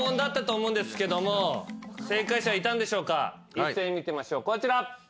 一斉に見てみましょうこちら。